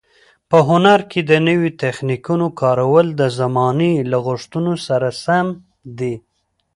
په هنر کې د نویو تخنیکونو کارول د زمانې له غوښتنو سره سم دي.